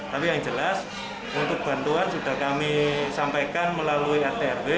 tapi yang jelas untuk bantuan sudah kami sampaikan melalui rtrw